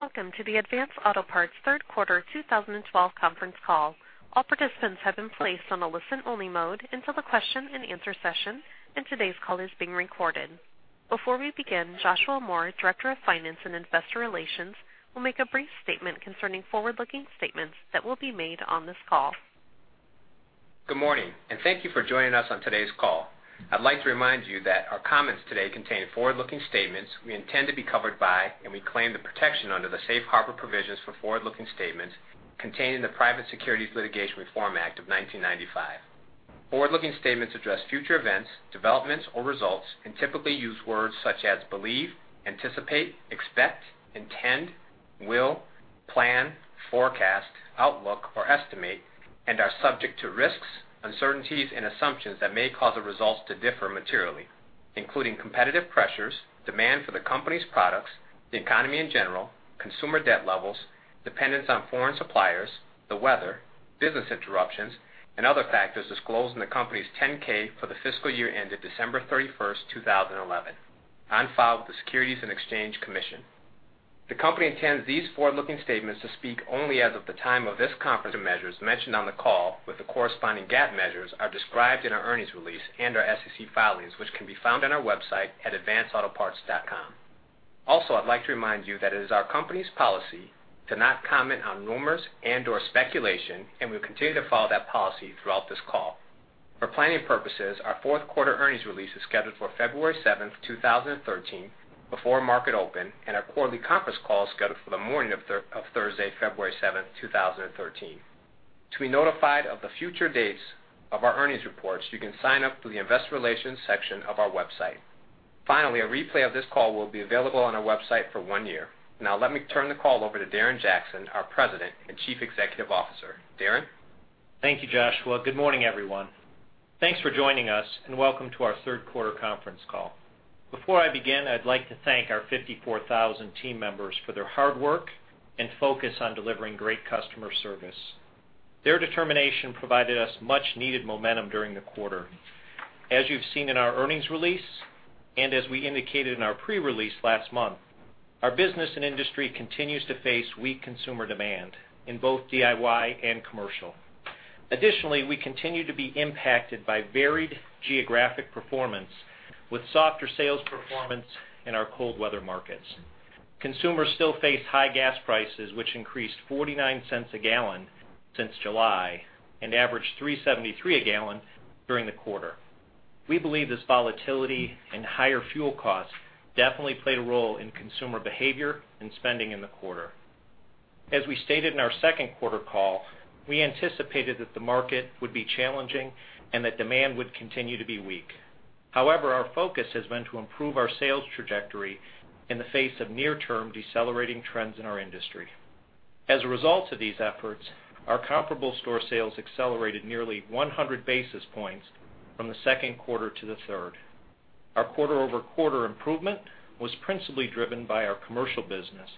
Welcome to the Advance Auto Parts third quarter 2012 conference call. All participants have been placed on a listen-only mode until the question and answer session. Today's call is being recorded. Before we begin, Joshua Moore, Director of Finance and Investor Relations, will make a brief statement concerning forward-looking statements that will be made on this call. Good morning. Thank you for joining us on today's call. I'd like to remind you that our comments today contain forward-looking statements we intend to be covered by. We claim the protection under the safe harbor provisions for forward-looking statements contained in the Private Securities Litigation Reform Act of 1995. Forward-looking statements address future events, developments, or results. Typically use words such as believe, anticipate, expect, intend, will, plan, forecast, outlook, or estimate. Are subject to risks, uncertainties, and assumptions that may cause the results to differ materially, including competitive pressures, demand for the company's products, the economy in general, consumer debt levels, dependence on foreign suppliers, the weather, business interruptions, and other factors disclosed in the company's 10-K for the fiscal year ended December 31st, 2011, on file with the Securities and Exchange Commission. The company intends these forward-looking statements to speak only as of the time of this conference. Measures mentioned on the call with the corresponding GAAP measures are described in our earnings release and our SEC filings, which can be found on our website at advanceautoparts.com. Also, I'd like to remind you that it is our company's policy to not comment on rumors and/or speculation. We'll continue to follow that policy throughout this call. For planning purposes, our fourth quarter earnings release is scheduled for February 7th, 2013, before market open. Our quarterly conference call is scheduled for the morning of Thursday, February 7th, 2013. To be notified of the future dates of our earnings reports, you can sign up through the investor relations section of our website. Finally, a replay of this call will be available on our website for one year. Now let me turn the call over to Darren Jackson, our President and Chief Executive Officer. Darren? Thank you, Joshua. Good morning, everyone. Thanks for joining us, and welcome to our third quarter conference call. Before I begin, I'd like to thank our 54,000 team members for their hard work and focus on delivering great customer service. Their determination provided us much-needed momentum during the quarter. As you've seen in our earnings release, as we indicated in our pre-release last month, our business and industry continues to face weak consumer demand in both DIY and commercial. Additionally, we continue to be impacted by varied geographic performance with softer sales performance in our cold weather markets. Consumers still face high gas prices, which increased $0.49 a gallon since July and averaged $3.73 a gallon during the quarter. We believe this volatility and higher fuel costs definitely played a role in consumer behavior and spending in the quarter. As we stated in our second quarter call, we anticipated that the market would be challenging and that demand would continue to be weak. However, our focus has been to improve our sales trajectory in the face of near-term decelerating trends in our industry. As a result of these efforts, our comparable store sales accelerated nearly 100 basis points from the second quarter to the third. Our quarter-over-quarter improvement was principally driven by our commercial business,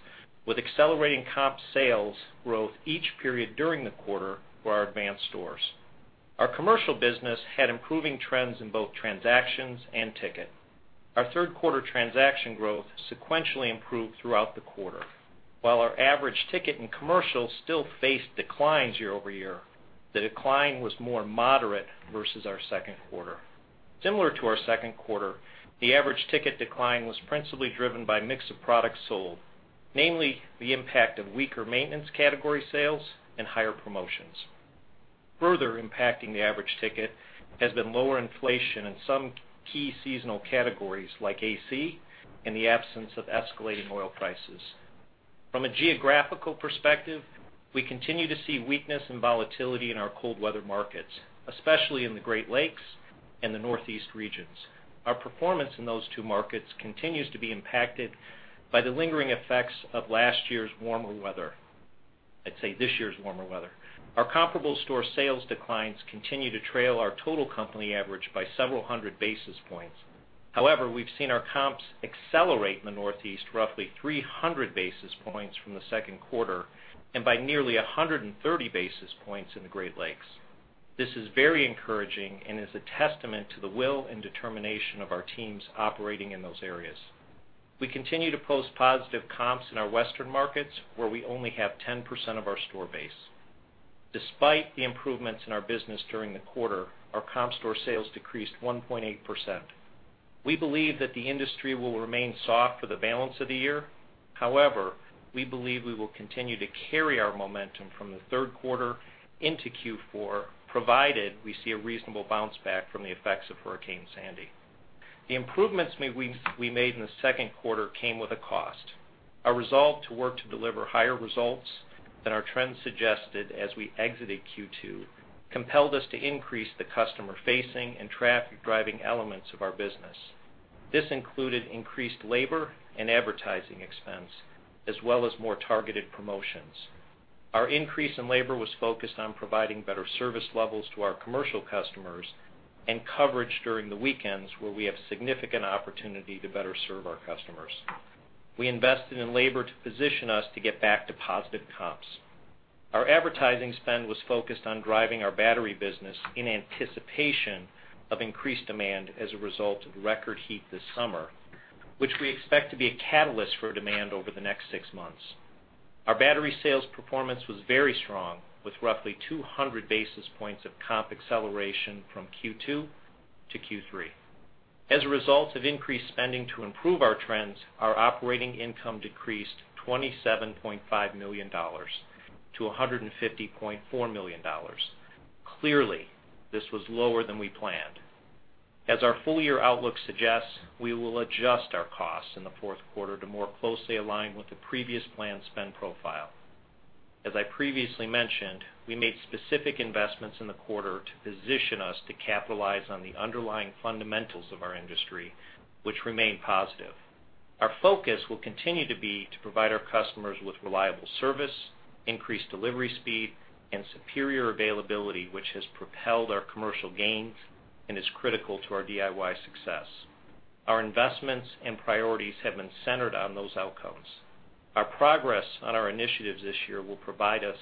with accelerating comp sales growth each period during the quarter for our Advance stores. Our commercial business had improving trends in both transactions and ticket. Our third quarter transaction growth sequentially improved throughout the quarter. While our average ticket in commercial still faced declines year-over-year, the decline was more moderate versus our second quarter. Similar to our second quarter, the average ticket decline was principally driven by mix of products sold, namely the impact of weaker maintenance category sales and higher promotions. Further impacting the average ticket has been lower inflation in some key seasonal categories like AC and the absence of escalating oil prices. From a geographical perspective, we continue to see weakness and volatility in our cold weather markets, especially in the Great Lakes and the Northeast regions. Our performance in those two markets continues to be impacted by the lingering effects of last year's warmer weather. I'd say this year's warmer weather. Our comparable store sales declines continue to trail our total company average by several hundred basis points. However, we've seen our comps accelerate in the Northeast roughly 300 basis points from the second quarter and by nearly 130 basis points in the Great Lakes. This is very encouraging and is a testament to the will and determination of our teams operating in those areas. We continue to post positive comps in our Western markets, where we only have 10% of our store base. Despite the improvements in our business during the quarter, our comp store sales decreased 1.8%. We believe that the industry will remain soft for the balance of the year. However, we believe we will continue to carry our momentum from the third quarter into Q4, provided we see a reasonable bounce back from the effects of Hurricane Sandy. The improvements we made in the second quarter came with a cost. Our resolve to work to deliver higher results than our trends suggested as we exited Q2 compelled us to increase the customer-facing and traffic-driving elements of our business. This included increased labor and advertising expense, as well as more targeted promotions. Our increase in labor was focused on providing better service levels to our commercial customers and coverage during the weekends, where we have significant opportunity to better serve our customers. We invested in labor to position us to get back to positive comps. Our advertising spend was focused on driving our battery business in anticipation of increased demand as a result of the record heat this summer, which we expect to be a catalyst for demand over the next six months. Our battery sales performance was very strong, with roughly 200 basis points of comp acceleration from Q2 to Q3. As a result of increased spending to improve our trends, our operating income decreased $27.5 million to $150.4 million. Clearly, this was lower than we planned. As our full-year outlook suggests, we will adjust our costs in the fourth quarter to more closely align with the previous plan spend profile. As I previously mentioned, we made specific investments in the quarter to position us to capitalize on the underlying fundamentals of our industry, which remain positive. Our focus will continue to be to provide our customers with reliable service, increased delivery speed, and superior availability, which has propelled our commercial gains and is critical to our DIY success. Our investments and priorities have been centered on those outcomes. Our progress on our initiatives this year will provide us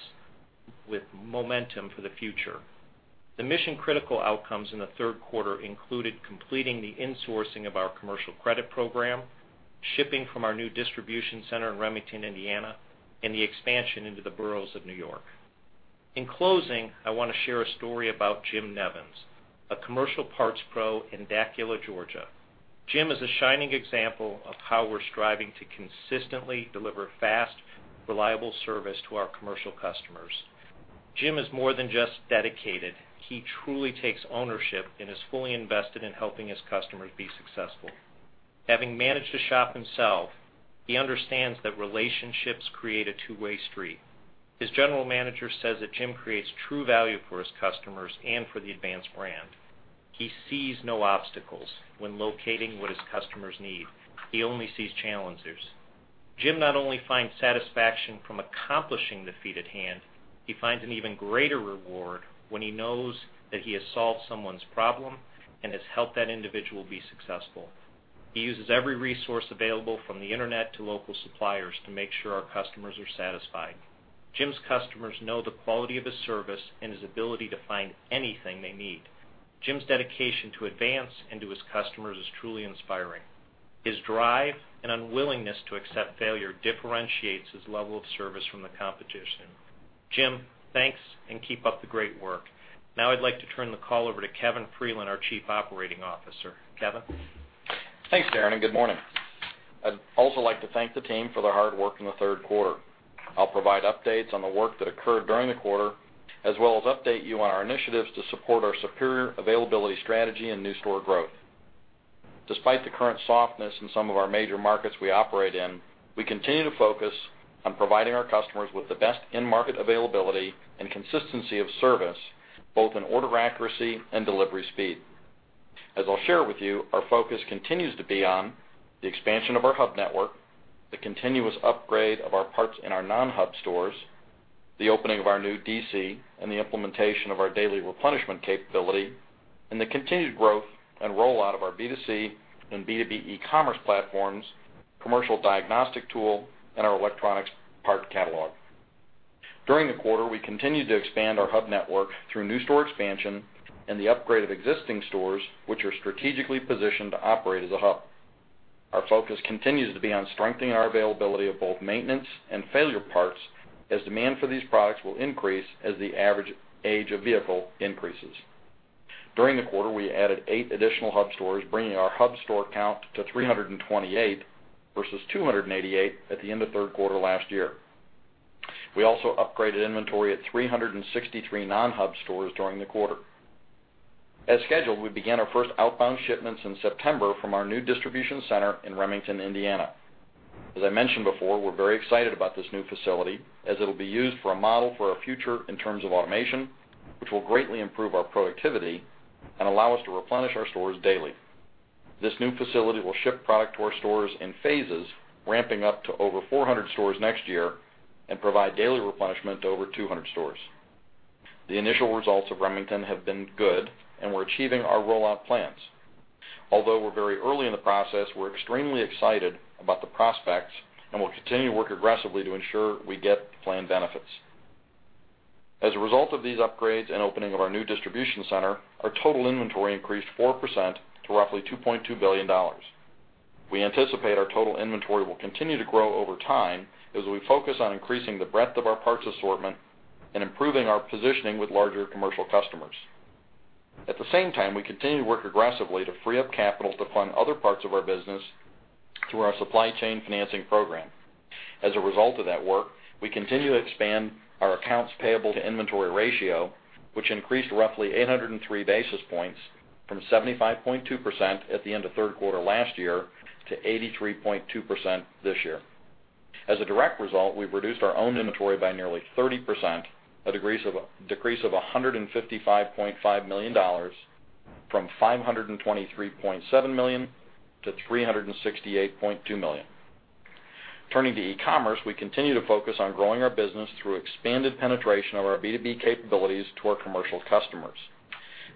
with momentum for the future. The mission-critical outcomes in the third quarter included completing the insourcing of our commercial credit program, shipping from our new distribution center in Remington, Indiana, and the expansion into the boroughs of New York. In closing, I want to share a story about Jim Nevins, a commercial parts pro in Dacula, Georgia. Jim is a shining example of how we're striving to consistently deliver fast, reliable service to our commercial customers. Jim is more than just dedicated. He truly takes ownership and is fully invested in helping his customers be successful. Having managed a shop himself, he understands that relationships create a two-way street. His general manager says that Jim creates true value for his customers and for the Advance brand. He sees no obstacles when locating what his customers need. He only sees challenges. Jim not only finds satisfaction from accomplishing the feat at hand, he finds an even greater reward when he knows that he has solved someone's problem and has helped that individual be successful. He uses every resource available, from the internet to local suppliers, to make sure our customers are satisfied. Jim's customers know the quality of his service and his ability to find anything they need. Jim's dedication to Advance and to his customers is truly inspiring. His drive and unwillingness to accept failure differentiates his level of service from the competition. Jim, thanks, and keep up the great work. Now I'd like to turn the call over to Kevin Freeland, our Chief Operating Officer. Kevin? Thanks, Darren. Good morning. I'd also like to thank the team for their hard work in the third quarter. I'll provide updates on the work that occurred during the quarter, as well as update you on our initiatives to support our superior availability strategy and new store growth. Despite the current softness in some of our major markets we operate in, we continue to focus on providing our customers with the best in-market availability and consistency of service, both in order accuracy and delivery speed. As I'll share with you, our focus continues to be on the expansion of our hub network, the continuous upgrade of our parts in our non-hub stores, the opening of our new DC, the implementation of our daily replenishment capability, and the continued growth and rollout of our B2C and B2B e-commerce platforms, commercial diagnostic tool, and our electronics parts catalog. During the quarter, we continued to expand our hub network through new store expansion and the upgrade of existing stores, which are strategically positioned to operate as a hub. Our focus continues to be on strengthening our availability of both maintenance and failure parts, as demand for these products will increase as the average age of vehicle increases. During the quarter, we added eight additional hub stores, bringing our hub store count to 328 versus 288 at the end of third quarter last year. We also upgraded inventory at 363 non-hub stores during the quarter. As scheduled, we began our first outbound shipments in September from our new distribution center in Remington, Indiana. As I mentioned before, we're very excited about this new facility, as it will be used for a model for our future in terms of automation, which will greatly improve our productivity and allow us to replenish our stores daily. This new facility will ship product to our stores in phases, ramping up to over 400 stores next year and provide daily replenishment to over 200 stores. The initial results of Remington have been good, and we're achieving our rollout plans. Although we're very early in the process, we're extremely excited about the prospects and will continue to work aggressively to ensure we get the planned benefits. As a result of these upgrades and opening of our new distribution center, our total inventory increased 4% to roughly $2.2 billion. We anticipate our total inventory will continue to grow over time as we focus on increasing the breadth of our parts assortment and improving our positioning with larger commercial customers. At the same time, we continue to work aggressively to free up capital to fund other parts of our business through our supply chain financing program. As a result of that work, we continue to expand our accounts payable to inventory ratio, which increased roughly 803 basis points from 75.2% at the end of third quarter last year to 83.2% this year. As a direct result, we've reduced our own inventory by nearly 30%, a decrease of $155.5 million from $523.7 million to $368.2 million. Turning to e-commerce, we continue to focus on growing our business through expanded penetration of our B2B capabilities to our commercial customers.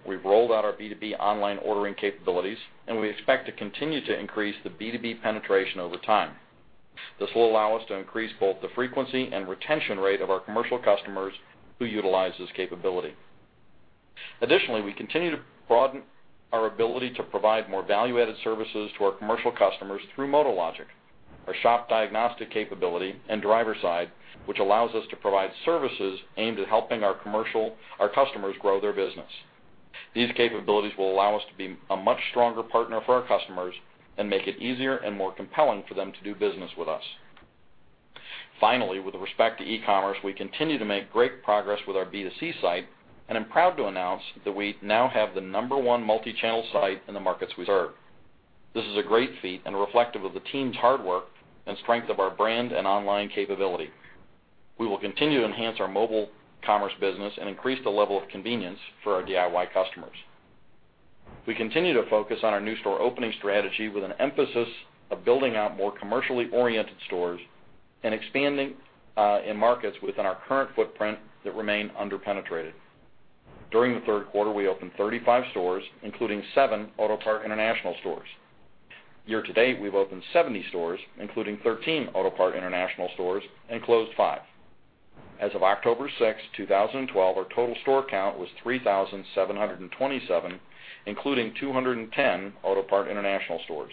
We've rolled out our B2B online ordering capabilities. We expect to continue to increase the B2B penetration over time. This will allow us to increase both the frequency and retention rate of our commercial customers who utilize this capability. Additionally, we continue to broaden our ability to provide more value-added services to our commercial customers through MotoLogic, our shop diagnostic capability, and DriverSide, which allows us to provide services aimed at helping our customers grow their business. These capabilities will allow us to be a much stronger partner for our customers and make it easier and more compelling for them to do business with us. Finally, with respect to e-commerce, we continue to make great progress with our B2C site. I'm proud to announce that we now have the number one multi-channel site in the markets we serve. This is a great feat and reflective of the team's hard work and strength of our brand and online capability. We will continue to enhance our mobile commerce business and increase the level of convenience for our DIY customers. We continue to focus on our new store opening strategy with an emphasis on building out more commercially oriented stores and expanding in markets within our current footprint that remain under-penetrated. During the third quarter, we opened 35 stores, including seven Autopart International stores. Year to date, we've opened 70 stores, including 13 Autopart International stores, and closed five. As of October 6, 2012, our total store count was 3,727, including 210 Autopart International stores.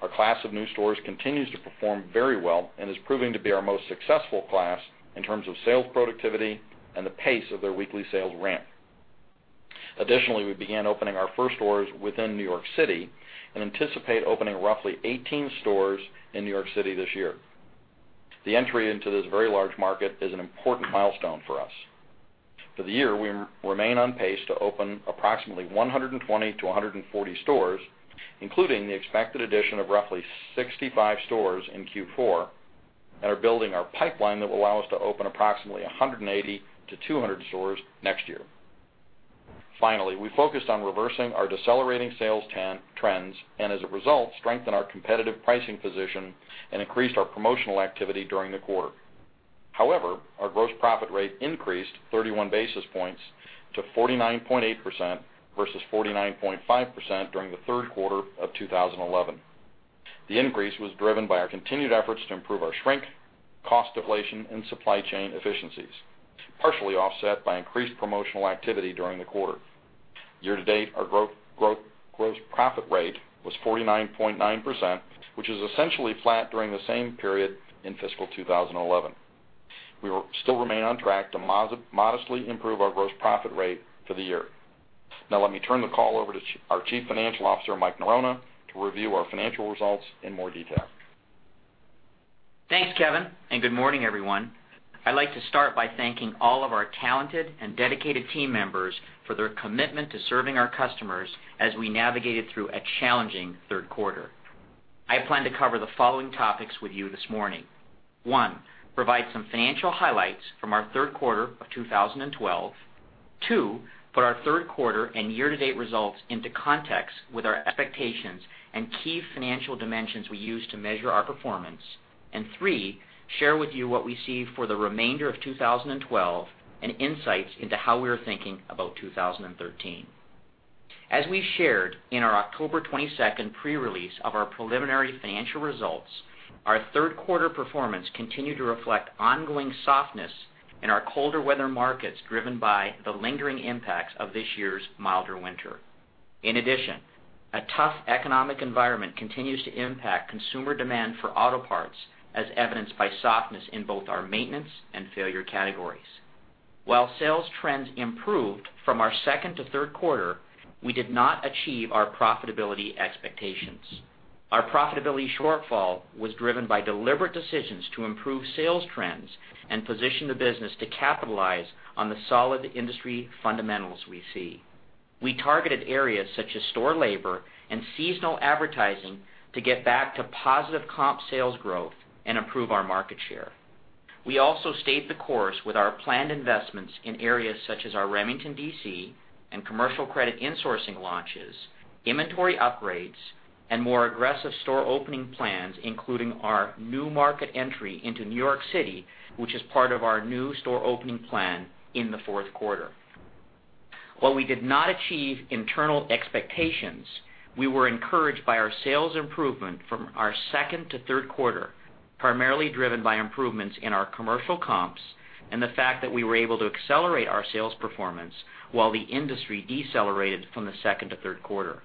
Our class of new stores continues to perform very well and is proving to be our most successful class in terms of sales productivity and the pace of their weekly sales ramp. Additionally, we began opening our first stores within New York City and anticipate opening roughly 18 stores in New York City this year. The entry into this very large market is an important milestone for us. For the year, we remain on pace to open approximately 120-140 stores, including the expected addition of roughly 65 stores in Q4, and are building our pipeline that will allow us to open approximately 180-200 stores next year. Finally, we focused on reversing our decelerating sales trends, and as a result, strengthened our competitive pricing position and increased our promotional activity during the quarter. However, our gross profit rate increased 31 basis points to 49.8% versus 49.5% during the third quarter of 2011. The increase was driven by our continued efforts to improve our shrink, cost deflation, and supply chain efficiencies, partially offset by increased promotional activity during the quarter. Year to date, our gross profit rate was 49.9%, which is essentially flat during the same period in fiscal 2011. We still remain on track to modestly improve our gross profit rate for the year. Now, let me turn the call over to our Chief Financial Officer, Mike Norona, to review our financial results in more detail. Thanks, Kevin, and good morning, everyone. I'd like to start by thanking all of our talented and dedicated team members for their commitment to serving our customers as we navigated through a challenging third quarter. I plan to cover the following topics with you this morning. One, provide some financial highlights from our third quarter of 2012. Two, put our third quarter and year-to-date results into context with our expectations and key financial dimensions we use to measure our performance. Three, share with you what we see for the remainder of 2012 and insights into how we are thinking about 2013. As we shared in our October 22nd pre-release of our preliminary financial results, our third quarter performance continued to reflect ongoing softness in our colder weather markets, driven by the lingering impacts of this year's milder winter. In addition, a tough economic environment continues to impact consumer demand for auto parts, as evidenced by softness in both our maintenance and failure categories. While sales trends improved from our second to third quarter, we did not achieve our profitability expectations. Our profitability shortfall was driven by deliberate decisions to improve sales trends and position the business to capitalize on the solid industry fundamentals we see. We targeted areas such as store labor and seasonal advertising to get back to positive comp sales growth and improve our market share. We also stayed the course with our planned investments in areas such as our Remington DC and commercial credit insourcing launches, inventory upgrades, and more aggressive store opening plans, including our new market entry into New York City, which is part of our new store opening plan in the fourth quarter. While we did not achieve internal expectations, we were encouraged by our sales improvement from our second to third quarter, primarily driven by improvements in our commercial comps and the fact that we were able to accelerate our sales performance while the industry decelerated from the second to third quarter.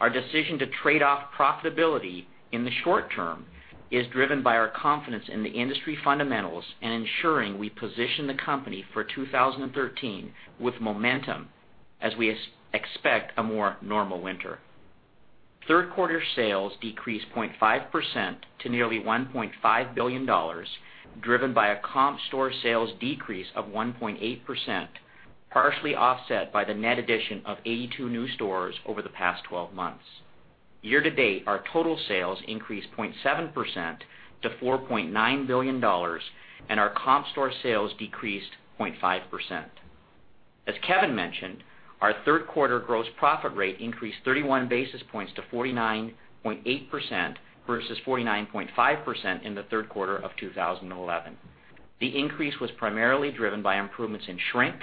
Our decision to trade off profitability in the short term is driven by our confidence in the industry fundamentals and ensuring we position the company for 2013 with momentum as we expect a more normal winter. Third quarter sales decreased 0.5% to nearly $1.5 billion, driven by a comp store sales decrease of 1.8%, partially offset by the net addition of 82 new stores over the past 12 months. Year-to-date, our total sales increased 0.7% to $4.9 billion, and our comp store sales decreased 0.5%. As Kevin mentioned, our third quarter gross profit rate increased 31 basis points to 49.8% versus 49.5% in the third quarter of 2011. The increase was primarily driven by improvements in shrink,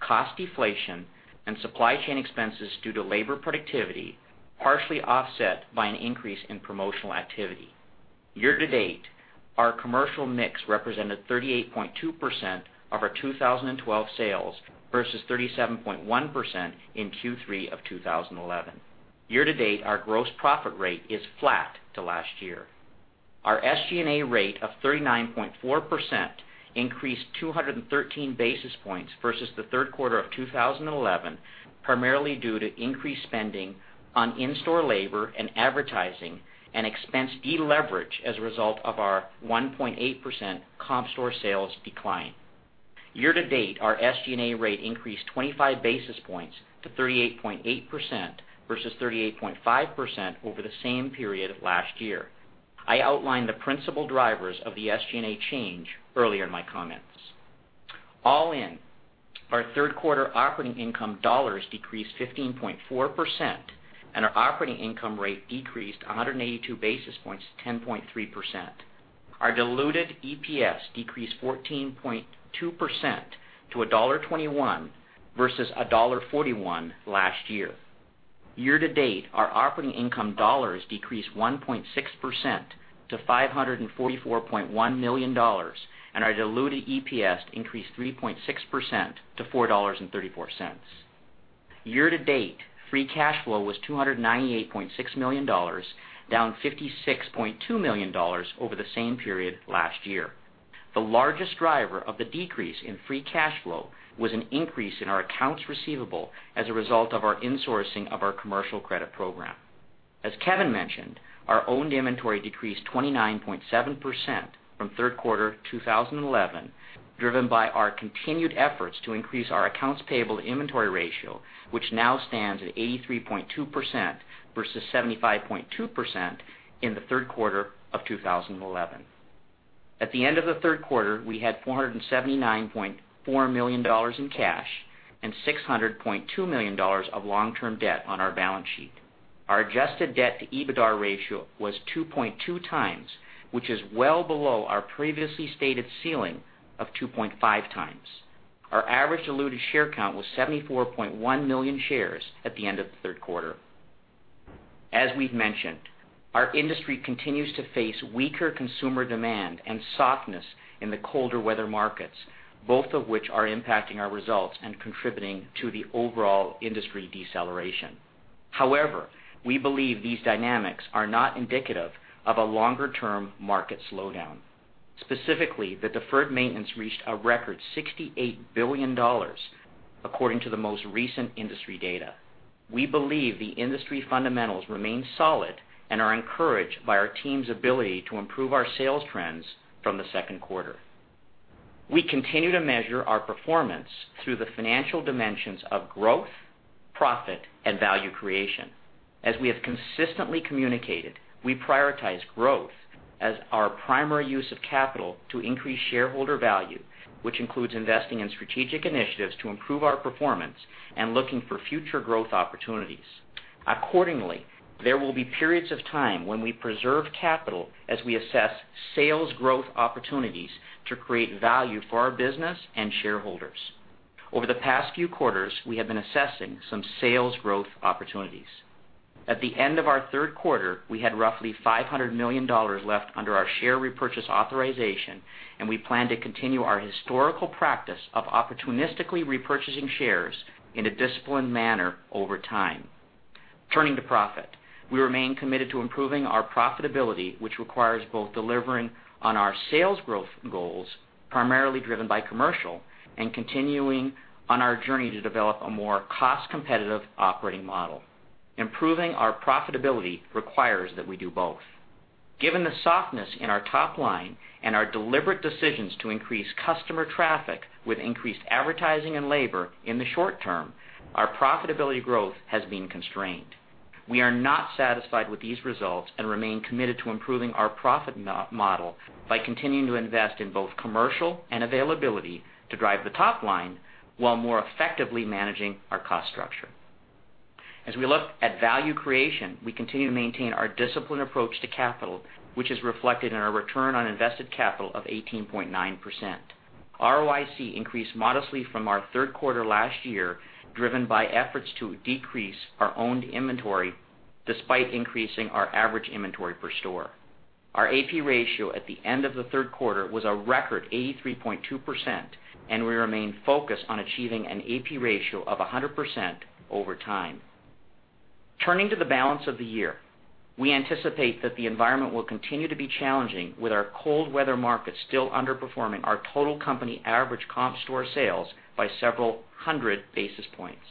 cost deflation, and supply chain expenses due to labor productivity, partially offset by an increase in promotional activity. Year-to-date, our commercial mix represented 38.2% of our 2012 sales versus 37.1% in Q3 of 2011. Year-to-date, our gross profit rate is flat to last year. Our SG&A rate of 39.4% increased 213 basis points versus the third quarter of 2011, primarily due to increased spending on in-store labor and advertising and expense deleverage as a result of our 1.8% comp store sales decline. Year-to-date, our SG&A rate increased 25 basis points to 38.8% versus 38.5% over the same period of last year. I outlined the principal drivers of the SG&A change earlier in my comments. All in, our third quarter operating income dollars decreased 15.4%, and our operating income rate decreased 182 basis points to 10.3%. Our diluted EPS decreased 14.2% to $1.21 versus $1.41 last year. Year-to-date, our operating income dollars decreased 1.6% to $544.1 million, and our diluted EPS increased 3.6% to $4.34. Year-to-date, free cash flow was $298.6 million, down $56.2 million over the same period last year. The largest driver of the decrease in free cash flow was an increase in our accounts receivable as a result of our insourcing of our commercial credit program. As Kevin mentioned, our owned inventory decreased 29.7% from third quarter 2011, driven by our continued efforts to increase our accounts payable inventory ratio, which now stands at 83.2% versus 75.2% in the third quarter of 2011. At the end of the third quarter, we had $479.4 million in cash and $600.2 million of long-term debt on our balance sheet. Our adjusted debt to EBITDAR ratio was 2.2 times, which is well below our previously stated ceiling of 2.5 times. Our average diluted share count was 74.1 million shares at the end of the third quarter. As we've mentioned, our industry continues to face weaker consumer demand and softness in the colder weather markets, both of which are impacting our results and contributing to the overall industry deceleration. However, we believe these dynamics are not indicative of a longer-term market slowdown. Specifically, the deferred maintenance reached a record $68 billion, according to the most recent industry data. We believe the industry fundamentals remain solid and are encouraged by our team's ability to improve our sales trends from the second quarter. We continue to measure our performance through the financial dimensions of growth, profit, and value creation. As we have consistently communicated, we prioritize growth as our primary use of capital to increase shareholder value, which includes investing in strategic initiatives to improve our performance and looking for future growth opportunities. Accordingly, there will be periods of time when we preserve capital as we assess sales growth opportunities to create value for our business and shareholders. Over the past few quarters, we have been assessing some sales growth opportunities. At the end of our third quarter, we had roughly $500 million left under our share repurchase authorization, and we plan to continue our historical practice of opportunistically repurchasing shares in a disciplined manner over time. Turning to profit, we remain committed to improving our profitability, which requires both delivering on our sales growth goals, primarily driven by commercial, and continuing on our journey to develop a more cost-competitive operating model. Improving our profitability requires that we do both. Given the softness in our top line and our deliberate decisions to increase customer traffic with increased advertising and labor in the short term, our profitability growth has been constrained. We are not satisfied with these results and remain committed to improving our profit model by continuing to invest in both commercial and availability to drive the top line while more effectively managing our cost structure. As we look at value creation, we continue to maintain our disciplined approach to capital, which is reflected in our return on invested capital of 18.9%. ROIC increased modestly from our third quarter last year, driven by efforts to decrease our owned inventory despite increasing our average inventory per store. Our AP ratio at the end of the third quarter was a record 83.2%, and we remain focused on achieving an AP ratio of 100% over time. Turning to the balance of the year, we anticipate that the environment will continue to be challenging with our cold weather markets still underperforming our total company average comp store sales by several hundred basis points.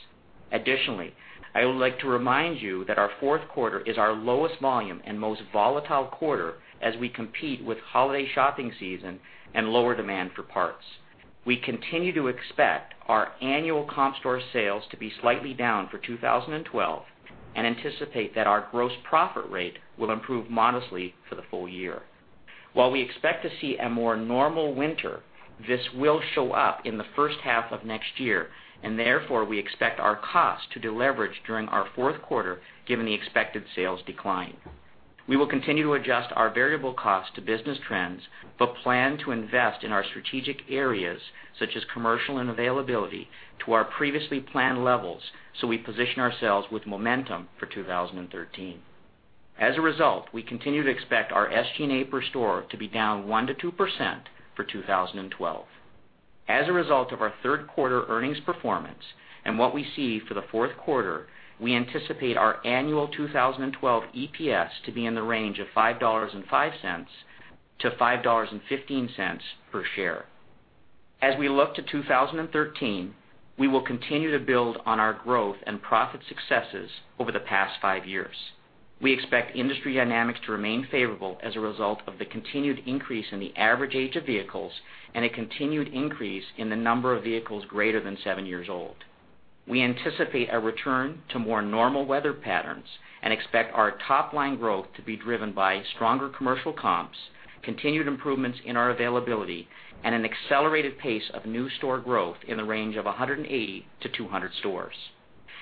Additionally, I would like to remind you that our fourth quarter is our lowest volume and most volatile quarter as we compete with holiday shopping season and lower demand for parts. We continue to expect our annual comp store sales to be slightly down for 2012 and anticipate that our gross profit rate will improve modestly for the full year. While we expect to see a more normal winter, this will show up in the first half of next year, and therefore, we expect our costs to deleverage during our fourth quarter given the expected sales decline. We will continue to adjust our variable costs to business trends, but plan to invest in our strategic areas, such as commercial and availability, to our previously planned levels, so we position ourselves with momentum for 2013. As a result, we continue to expect our SG&A per store to be down 1%-2% for 2012. As a result of our third quarter earnings performance and what we see for the fourth quarter, we anticipate our annual 2012 EPS to be in the range of $5.05 to $5.15 per share. As we look to 2013, we will continue to build on our growth and profit successes over the past five years. We expect industry dynamics to remain favorable as a result of the continued increase in the average age of vehicles and a continued increase in the number of vehicles greater than seven years old. We anticipate a return to more normal weather patterns and expect our top-line growth to be driven by stronger commercial comps, continued improvements in our availability, and an accelerated pace of new store growth in the range of 180 to 200 stores.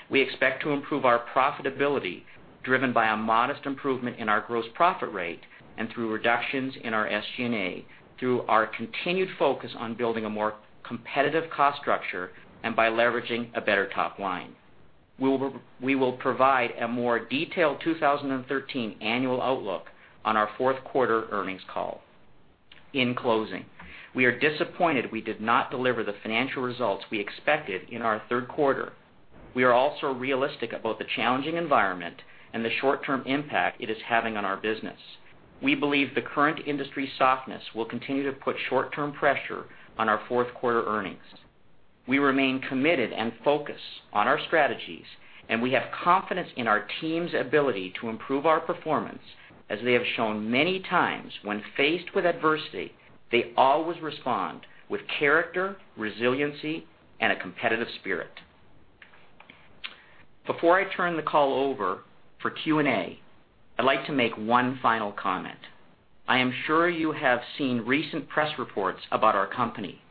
We expect to improve our profitability, driven by a modest improvement in our gross profit rate and through reductions in our SG&A through our continued focus on building a more competitive cost structure and by leveraging a better top line. We will provide a more detailed 2013 annual outlook on our fourth quarter earnings call. In closing, we are disappointed we did not deliver the financial results we expected in our third quarter. We are also realistic about the challenging environment and the short-term impact it is having on our business. We believe the current industry softness will continue to put short-term pressure on our fourth quarter earnings. We remain committed and focused on our strategies, and we have confidence in our team's ability to improve our performance, as they have shown many times when faced with adversity, they always respond with character, resiliency, and a competitive spirit. Before I turn the call over for Q&A, I'd like to make one final comment. I am sure you have seen recent press reports about our company.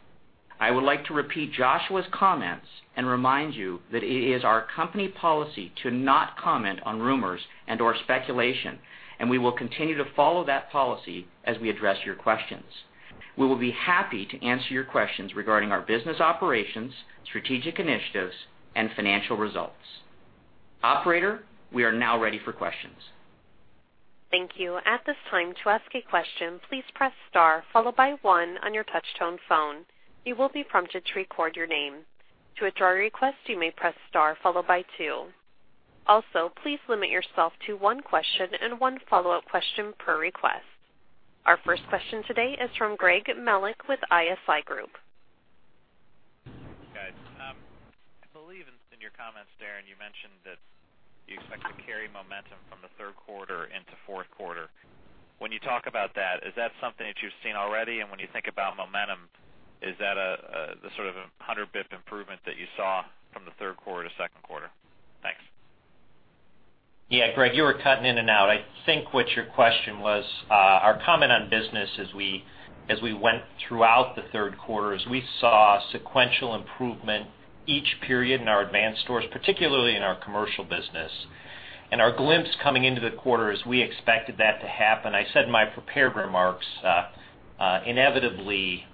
I would like to repeat Joshua's comments and remind you that it is our company policy to not comment on rumors and/or speculation, and we will continue to follow that policy as we address your questions. We will be happy to answer your questions regarding our business operations, strategic initiatives, and financial results. Operator, we are now ready for questions. Thank you. At this time, to ask a question, please press star followed by one on your touch-tone phone. You will be prompted to record your name. To withdraw your request, you may press star followed by two. Also, please limit yourself to one question and one follow-up question per request. Our first question today is from Greg Melich with ISI Group. Guys, I believe in your comments, Darren, you mentioned that you expect to carry momentum from the third quarter into fourth quarter. When you talk about that, is that something that you're seeing already? When you think about momentum, is that the sort of 100 basis point improvement that you saw from the third quarter to second quarter? Thanks. Yeah, Greg, you were cutting in and out. I think what your question was, our comment on business as we went throughout the third quarter is we saw sequential improvement each period in our Advance stores, particularly in our commercial business. Our glimpse coming into the quarter is we expected that to happen. I said in my prepared remarks, inevitably,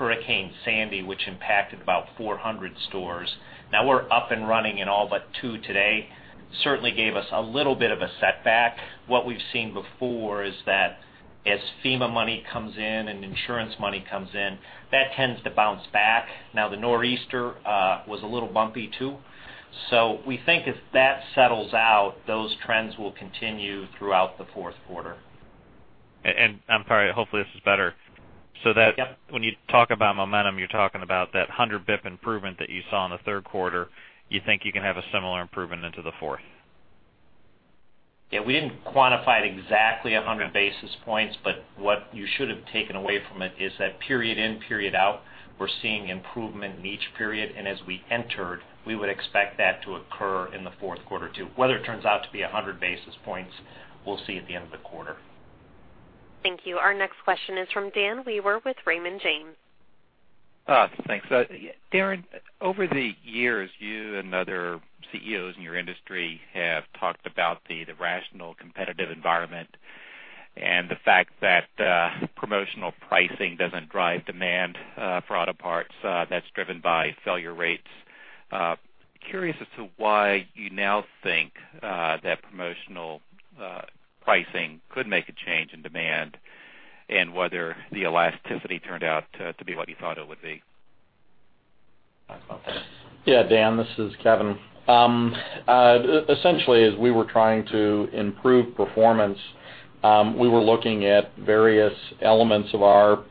Hurricane Sandy, which impacted about 400 stores, now we're up and running in all but two today, certainly gave us a little bit of a setback. What we've seen before is that as FEMA money comes in and insurance money comes in, that tends to bounce back. The nor'easter was a little bumpy too. We think as that settles out, those trends will continue throughout the fourth quarter. I'm sorry, hopefully this is better. Yep. When you talk about momentum, you're talking about that 100 basis points improvement that you saw in the third quarter, you think you can have a similar improvement into the fourth? Yeah. We didn't quantify it exactly 100 basis points, but what you should have taken away from it is that period in, period out, we're seeing improvement in each period, and as we entered, we would expect that to occur in the fourth quarter too. Whether it turns out to be 100 basis points, we'll see at the end of the quarter. Thank you. Our next question is from Dan Wewer with Raymond James. Thanks. Darren, over the years, you and other CEOs in your industry have talked about the rational competitive environment and the fact that promotional pricing doesn't drive demand for auto parts, that's driven by failure rates. Curious as to why you now think that promotional pricing could make a change in demand and whether the elasticity turned out to be what you thought it would be. I'll pass that. Yeah, Dan, this is Kevin. Essentially, as we were trying to improve performance, we were looking at various elements of our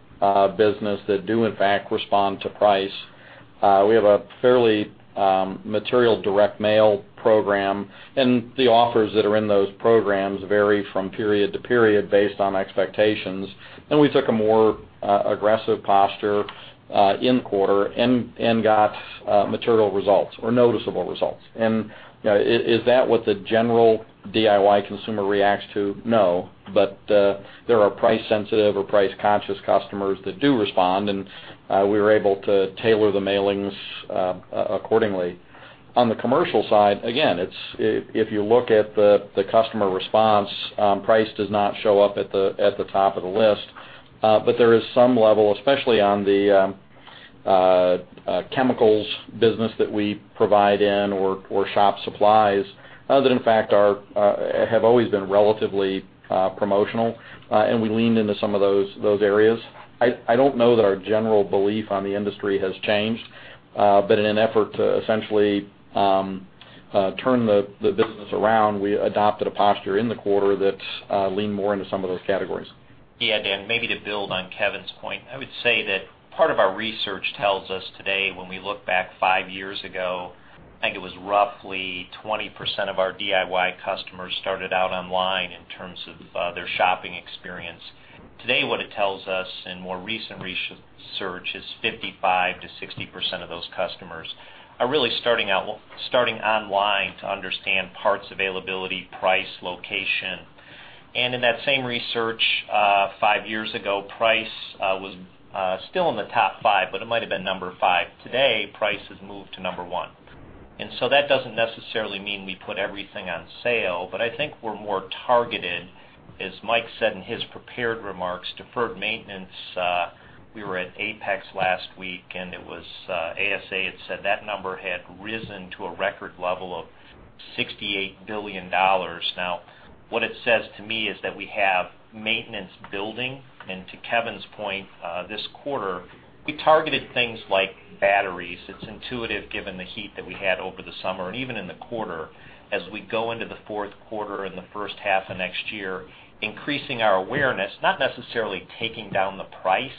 business that do in fact respond to price. We have a fairly material direct mail program, and the offers that are in those programs vary from period to period based on expectations. We took a more aggressive posture in quarter and got material results or noticeable results. Is that what the general DIY consumer reacts to? No. There are price-sensitive or price-conscious customers that do respond, and we were able to tailor the mailings accordingly. On the commercial side, again, if you look at the customer response, price does not show up at the top of the list. There is some level, especially on the chemicals business that we provide in or shop supplies, that in fact have always been relatively promotional. We leaned into some of those areas. I don't know that our general belief on the industry has changed. In an effort to essentially turn the business around, we adopted a posture in the quarter that leaned more into some of those categories. Yeah, Dan, maybe to build on Kevin's point. I would say that part of our research tells us today, when we look back five years ago, I think it was roughly 20% of our DIY customers started out online in terms of their shopping experience. Today, what it tells us in more recent research is 55%-60% of those customers are really starting online to understand parts availability, price, location. In that same research, five years ago, price was still in the top five, but it might have been number 5. Today, price has moved to number 1. That doesn't necessarily mean we put everything on sale, but I think we're more targeted, as Mike said in his prepared remarks, deferred maintenance. We were at AAPEX last week, and ASA had said that number had risen to a record level of $68 billion. What it says to me is that we have maintenance building. To Kevin's point, this quarter, we targeted things like batteries. It's intuitive, given the heat that we had over the summer and even in the quarter. As we go into the fourth quarter and the first half of next year, increasing our awareness, not necessarily taking down the price,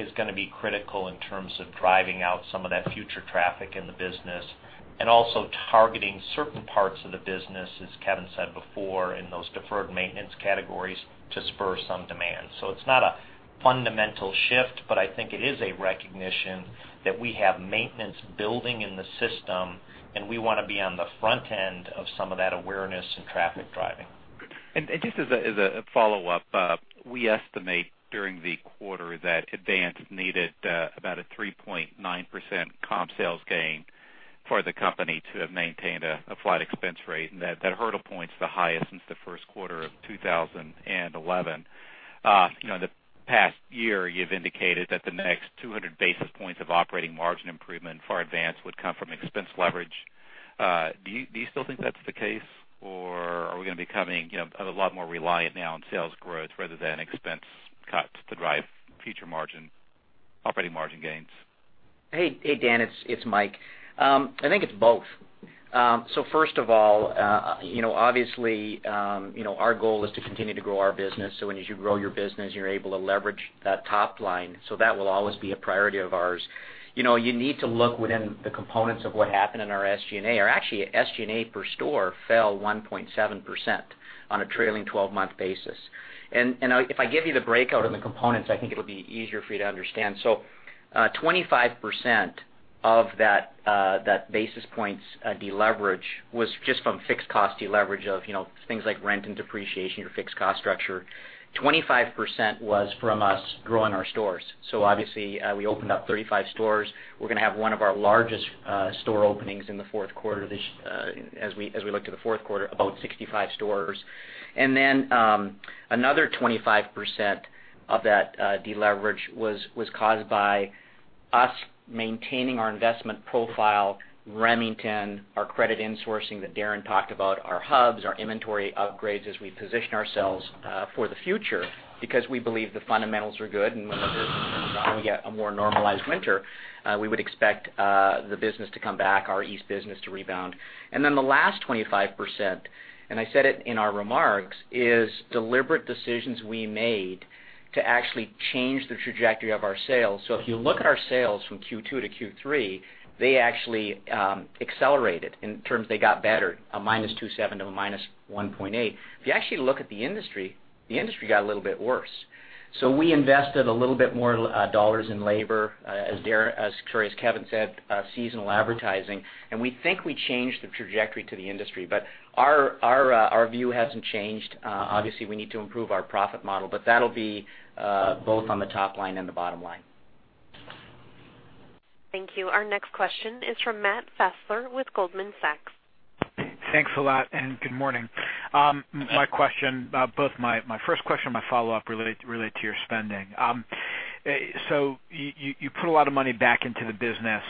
is going to be critical in terms of driving out some of that future traffic in the business. Also targeting certain parts of the business, as Kevin said before, in those deferred maintenance categories to spur some demand. It's not a fundamental shift, but I think it is a recognition that we have maintenance building in the system, and we want to be on the front end of some of that awareness and traffic driving. Just as a follow-up, we estimate during the quarter that Advance needed about a 3.9% comp sales gain for the company to have maintained a flat expense rate, and that hurdle point's the highest since the first quarter of 2011. In the past year, you've indicated that the next 200 basis points of operating margin improvement for Advance would come from expense leverage. Do you still think that's the case? Are we going to becoming a lot more reliant now on sales growth rather than expense cuts to drive future operating margin gains? Hey, Dan, it's Mike. I think it's both. First of all, obviously our goal is to continue to grow our business. When you grow your business, you're able to leverage that top line. That will always be a priority of ours. You need to look within the components of what happened in our SG&A. Actually, SG&A per store fell 1.7% on a trailing 12-month basis. If I give you the breakout of the components, I think it'll be easier for you to understand. 25% of that basis points deleverage was just from fixed cost deleverage of things like rent and depreciation or fixed cost structure. 25% was from us growing our stores. Obviously, we opened up 35 stores. We're going to have one of our largest store openings as we look to the fourth quarter, about 65 stores. Another 25% of that deleverage was caused by us maintaining our investment profile, Remington, our credit insourcing that Darren talked about, our hubs, our inventory upgrades as we position ourselves for the future because we believe the fundamentals are good. When the weather turns, and we get a more normalized winter, we would expect the business to come back, our East business to rebound. The last 25%, and I said it in our remarks, is deliberate decisions we made to actually change the trajectory of our sales. If you look at our sales from Q2 to Q3, they actually accelerated. In terms, they got better, -2.7% to -1.8%. If you actually look at the industry, the industry got a little bit worse. We invested a little bit more dollars in labor, as Kevin said, seasonal advertising, and we think we changed the trajectory to the industry. Our view hasn't changed. Obviously, we need to improve our profit model, but that'll be both on the top line and the bottom line. Thank you. Our next question is from Matt Fassler with Goldman Sachs. Thanks a lot. Good morning. Both my first question and my follow-up relate to your spending. You put a lot of money back into the business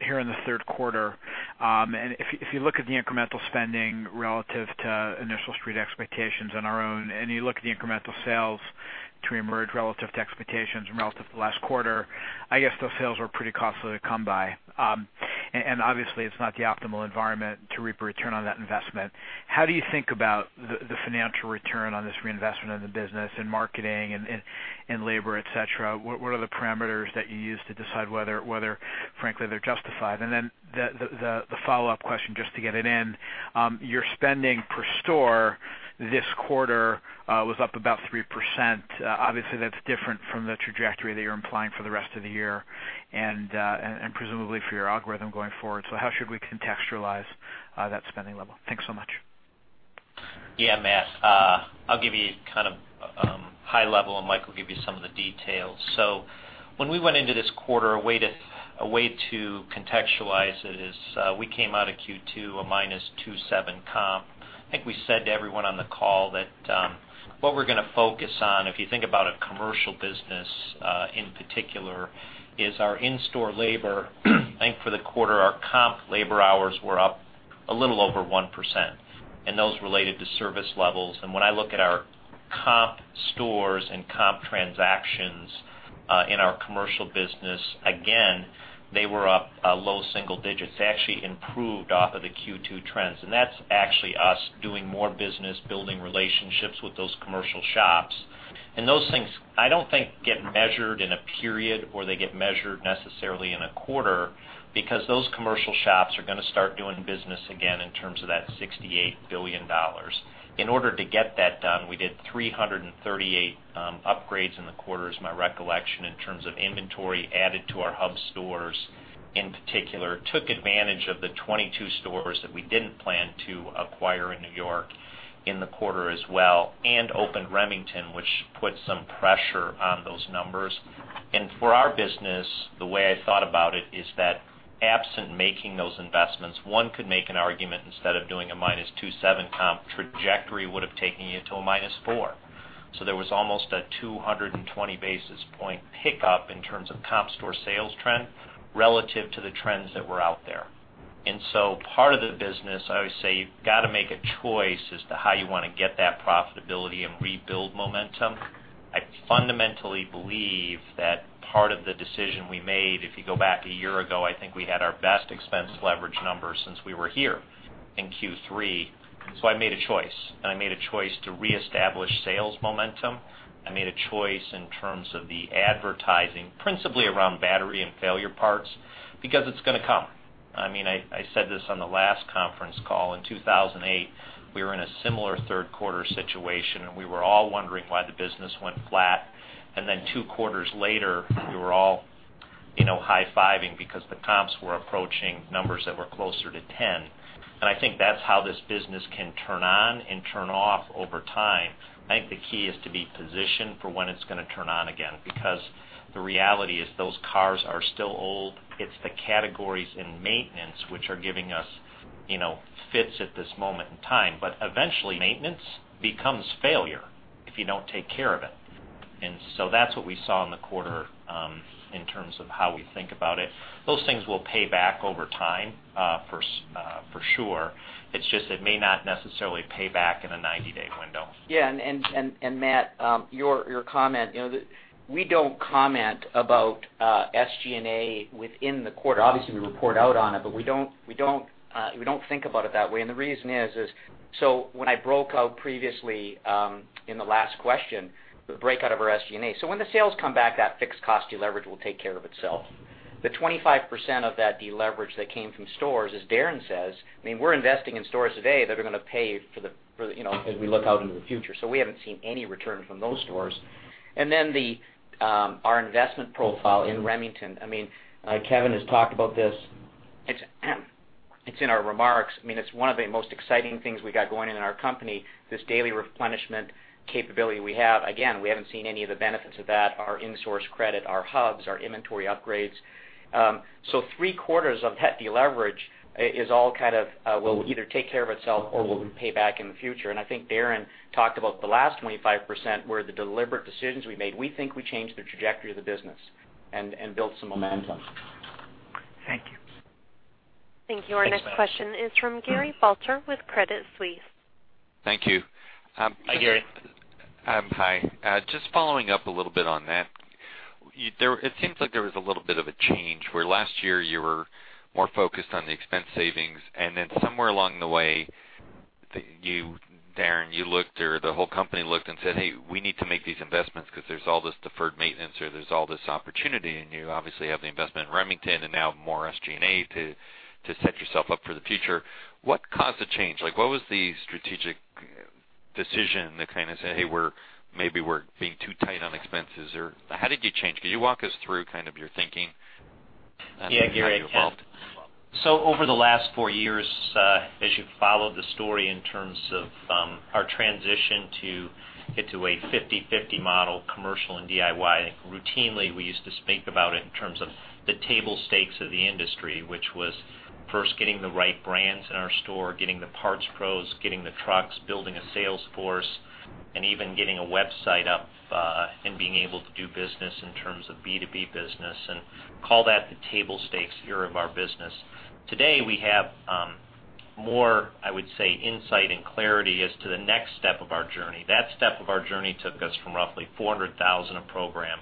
here in the third quarter. If you look at the incremental spending relative to initial Street expectations on our own, and you look at the incremental sales to emerge relative to expectations and relative to last quarter, I guess those sales were pretty costly to come by. Obviously, it's not the optimal environment to reap a return on that investment. How do you think about the financial return on this reinvestment in the business, in marketing, in labor, et cetera? What are the parameters that you use to decide whether, frankly, they're justified? The follow-up question, just to get it in. Your spending per store this quarter was up about 3%. Obviously, that's different from the trajectory that you're implying for the rest of the year and presumably for your algorithm going forward. How should we contextualize that spending level? Thanks so much. Yeah, Matt, I'll give you kind of high level, and Mike will give you some of the details. When we went into this quarter, a way to contextualize it is we came out of Q2 a minus 2.7 comp. I think we said to everyone on the call that what we're going to focus on, if you think about a commercial business in particular, is our in-store labor. I think for the quarter, our comp labor hours were up a little over 1%, and those related to service levels. When I look at our comp stores and comp transactions in our commercial business, again, they were up a low single digits. They actually improved off of the Q2 trends. That's actually us doing more business, building relationships with those commercial shops. Those things, I don't think get measured in a period, or they get measured necessarily in a quarter, because those commercial shops are going to start doing business again in terms of that $68 billion. In order to get that done, we did 338 upgrades in the quarter, is my recollection, in terms of inventory added to our hub stores. In particular, took advantage of the 22 stores that we didn't plan to acquire in New York in the quarter as well, and opened Remington, which put some pressure on those numbers. For our business, the way I thought about it is that absent making those investments, one could make an argument instead of doing a minus 2.7 comp trajectory would have taken you to a minus four. There was almost a 220 basis point pickup in terms of comp store sales trend relative to the trends that were out there. Part of the business, I always say, you've got to make a choice as to how you want to get that profitability and rebuild momentum. I fundamentally believe that part of the decision we made, if you go back a year ago, I think we had our best expense leverage numbers since we were here in Q3. I made a choice, and I made a choice to reestablish sales momentum. I made a choice in terms of the advertising, principally around battery and failure parts, because it's going to come. I said this on the last conference call. In 2008, we were in a similar third quarter situation, we were all wondering why the business went flat. two quarters later, we were all high-fiving because the comps were approaching numbers that were closer to 10. I think that's how this business can turn on and turn off over time. I think the key is to be positioned for when it's going to turn on again, because the reality is those cars are still old. It's the categories in maintenance which are giving us fits at this moment in time. Eventually, maintenance becomes failure if you don't take care of it. That's what we saw in the quarter in terms of how we think about it. Those things will pay back over time for sure. It's just it may not necessarily pay back in a 90-day window. Yeah, Matt, your comment. We don't comment about SG&A within the quarter. Obviously, we report out on it, but we don't think about it that way. The reason is, when I broke out previously in the last question, the breakout of our SG&A. When the sales come back, that fixed cost deleverage will take care of itself. The 25% of that deleverage that came from stores, as Darren says, we're investing in stores today that are going to pay as we look out into the future. We haven't seen any return from those stores. Our investment profile in Remington. Kevin has talked about this. It's in our remarks. It's one of the most exciting things we got going in our company, this daily replenishment capability we have. Again, we haven't seen any of the benefits of that, our in-source credit, our hubs, our inventory upgrades. Three-quarters of that deleverage will either take care of itself or will pay back in the future. I think Darren talked about the last 25% were the deliberate decisions we made. We think we changed the trajectory of the business and built some momentum. Thank you. Thank you. Our next question is from Gary Balter with Credit Suisse. Thank you. Hi, Gary. Hi. Just following up a little bit on that. It seems like there was a little bit of a change where last year you were more focused on the expense savings, then somewhere along the way, Darren, you looked or the whole company looked and said, "Hey, we need to make these investments because there's all this deferred maintenance or there's all this opportunity." You obviously have the investment in Remington and now more SG&A to set yourself up for the future. What caused the change? What was the strategic decision that kind of said, "Hey, maybe we're being too tight on expenses." Or how did you change? Could you walk us through kind of your thinking and how you evolved? Gary, over the last four years, as you've followed the story in terms of our transition to get to a 50/50 model commercial and DIY, routinely we used to speak about it in terms of the table stakes of the industry, which was first getting the right brands in our store, getting the Parts Pros, getting the trucks, building a sales force, and even getting a website up and being able to do business in terms of B2B business and call that the table stakes era of our business. Today, we have more, I would say, insight and clarity as to the next step of our journey. That step of our journey took us from roughly $400,000 a program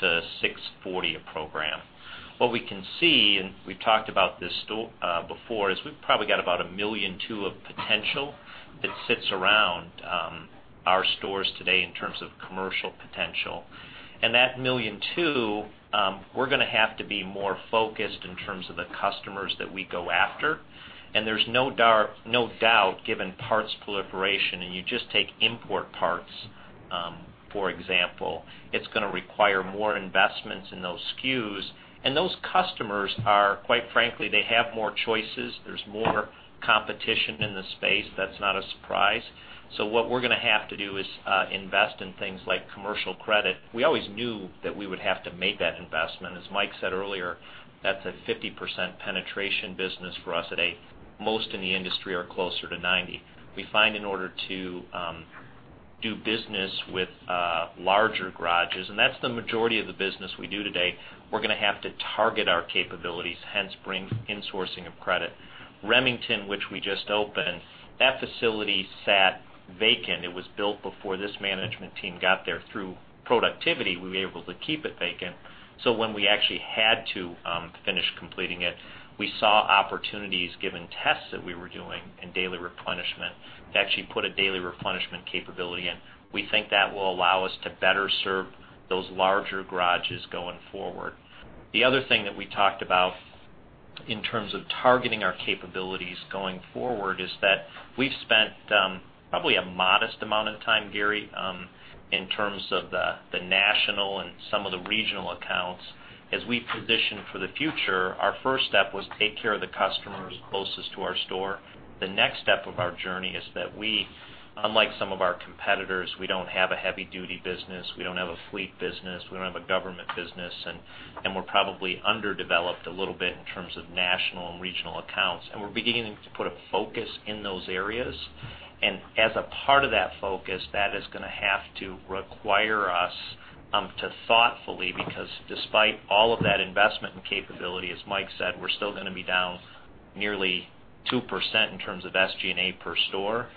to $640 a program. What we can see, and we've talked about this before, is we've probably got about $1.2 million of potential that sits around our stores today in terms of commercial potential. And that $1.2 million, we're going to have to be more focused in terms of the customers that we go after. There's no doubt, given parts proliferation, and you just take import parts for example, it's going to require more investments in those SKUs, and those customers are, quite frankly, they have more choices. There's more competition in the space. That's not a surprise. What we're going to have to do is invest in things like commercial credit. We always knew that we would have to make that investment. As Mike said earlier, that's a 50% penetration business for us today. Most in the industry are closer to 90%. We find in order to do business with larger garages, and that's the majority of the business we do today, we're going to have to target our capabilities, hence bring insourcing of credit. Remington, which we just opened, that facility sat vacant. It was built before this management team got there. Through productivity, we were able to keep it vacant. When we actually had to finish completing it, we saw opportunities, given tests that we were doing in daily replenishment, to actually put a daily replenishment capability in. We think that will allow us to better serve those larger garages going forward. The other thing that we talked about in terms of targeting our capabilities going forward is that we've spent probably a modest amount of time, Gary, in terms of the national and some of the regional accounts. As we position for the future, our first step was take care of the customers closest to our store. The next step of our journey is that we, unlike some of our competitors, we don't have a heavy-duty business. We don't have a fleet business. We don't have a government business. And we're probably underdeveloped a little bit in terms of national and regional accounts. We're beginning to put a focus in those areas. As a part of that focus, that is going to have to require us to thoughtfully, because despite all of that investment in capability, as Mike said, we're still going to be down nearly 2% in terms of SG&A per store.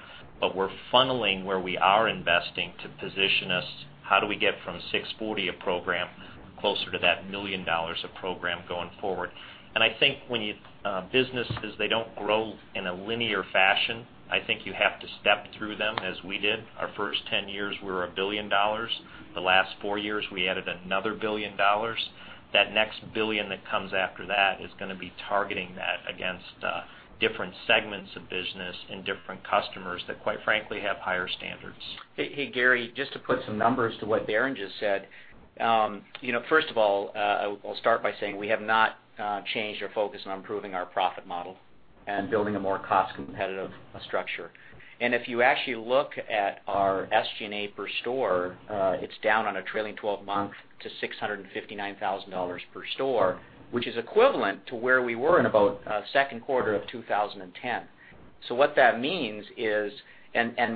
We're funneling where we are investing to position us, how do we get from $640 a program closer to that $1 million a program going forward? I think businesses, they don't grow in a linear fashion. I think you have to step through them as we did. Our first 10 years, we were $1 billion. The last four years, we added another $1 billion. That next $1 billion that comes after that is going to be targeting that against different segments of business and different customers that, quite frankly, have higher standards. Hey, Gary, just to put some numbers to what Darren just said. First of all, I'll start by saying we have not changed our focus on improving our profit model and building a more cost-competitive structure. If you actually look at our SG&A per store, it's down on a trailing 12-month to $659,000 per store, which is equivalent to where we were in about second quarter of 2010. What that means is,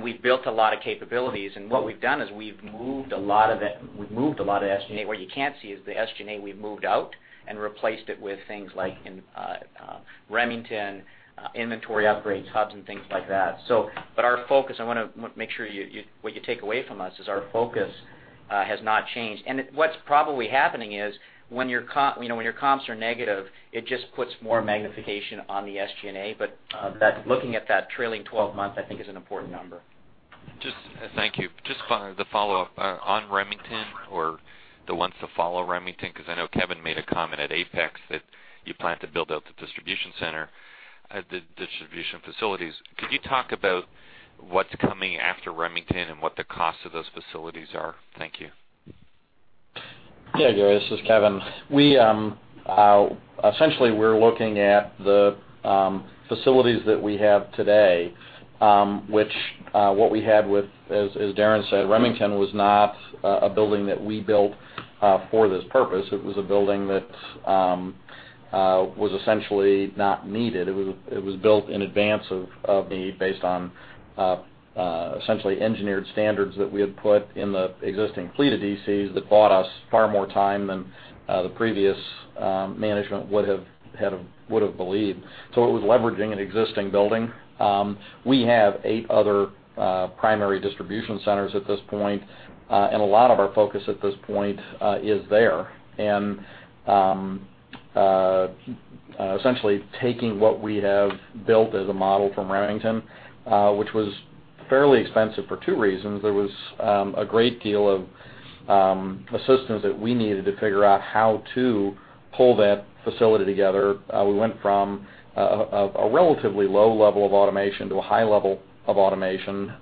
we've built a lot of capabilities, what we've done is we've moved a lot of SG&A. What you can't see is the SG&A we've moved out and replaced it with things like in Remington, inventory upgrades, hubs, and things like that. Our focus, I want to make sure what you take away from us is our focus has not changed. What's probably happening is when your comps are negative, it just puts more magnification on the SG&A. Looking at that trailing 12-month, I think, is an important number. Thank you. Just the follow-up on Remington or the ones that follow Remington, because I know Kevin made a comment at AAPEX that you plan to build out the distribution center, the distribution facilities. Could you talk about what's coming after Remington and what the cost of those facilities are? Thank you. Yeah, Gary, this is Kevin. Essentially, we're looking at the facilities that we have today, which what we had with, as Darren said, Remington was not a building that we built for this purpose. It was a building that was essentially not needed. It was built in advance of the need based on essentially engineered standards that we had put in the existing fleet of DCs that bought us far more time than the previous management would have believed. It was leveraging an existing building. We have eight other primary distribution centers at this point. A lot of our focus at this point is there and essentially taking what we have built as a model from Remington, which was fairly expensive for two reasons. There was a great deal of assistance that we needed to figure out how to pull that facility together. We went from a relatively low level of automation to a high level of automation,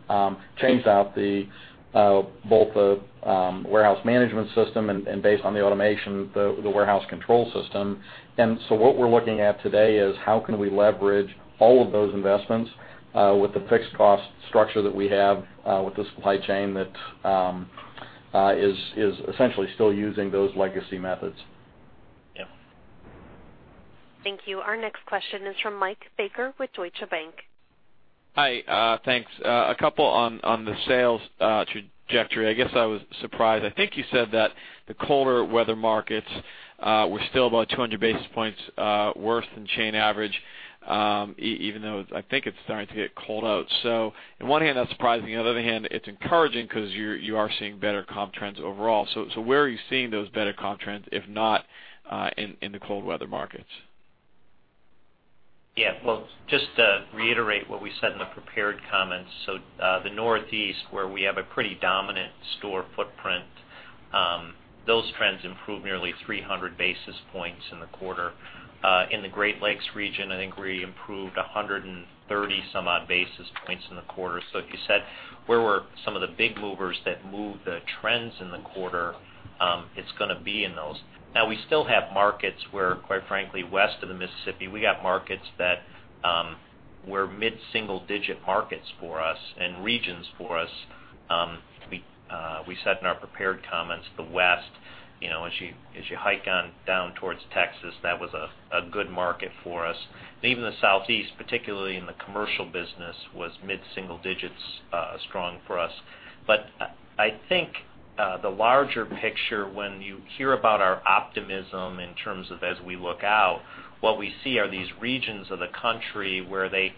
changed out both the warehouse management system and based on the automation, the warehouse control system. What we're looking at today is how can we leverage all of those investments with the fixed cost structure that we have with the supply chain that is essentially still using those legacy methods. Yeah. Thank you. Our next question is from Mike Baker with Deutsche Bank. Hi. Thanks. A couple on the sales trajectory. I guess I was surprised. I think you said that the colder weather markets were still about 200 basis points worse than chain average, even though I think it's starting to get cold out. On one hand, that's surprising. On the other hand, it's encouraging because you are seeing better comp trends overall. Where are you seeing those better comp trends, if not in the cold weather markets? Yeah. Well, just to reiterate what we said in the prepared comments. The Northeast, where we have a pretty dominant store footprint, those trends improved nearly 300 basis points in the quarter. In the Great Lakes region, I think we improved 130 some odd basis points in the quarter. If you said, where were some of the big movers that moved the trends in the quarter, it's going to be in those. We still have markets where, quite frankly, west of the Mississippi, we got markets that were mid-single-digit markets for us and regions for us. We said in our prepared comments, the West, as you hike down towards Texas, that was a good market for us. Even the Southeast, particularly in the commercial business, was mid-single digits strong for us. I think the larger picture when you hear about our optimism in terms of as we look out, what we see are these regions of the country where they